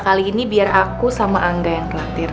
kali ini biar aku sama angga yang khawatir